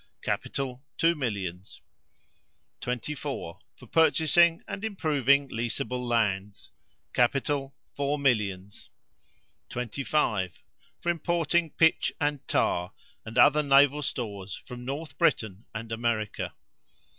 Capital, two millions. 24. For purchasing and improving leaseable lands. Capital, four millions. 25. For importing pitch and tar, and other naval stores, from North Britain and America.